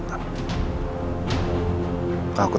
aku tahu di satu sisi kamu tertekan